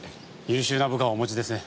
優秀な部下をお持ちですね。